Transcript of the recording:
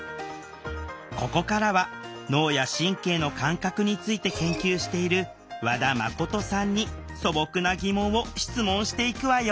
ここからは脳や神経の感覚について研究している和田真さんに素朴なギモンを質問していくわよ